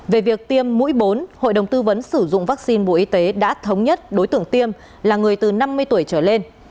về việc tiêm mũi bốn hội đồng tư vấn sử dụng vaccine bộ y tế đã thống nhất đối tượng tiêm là người từ năm mươi tuổi trở lên